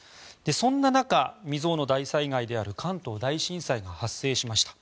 そんな中、未曽有の大災害である関東大震災が発生しました。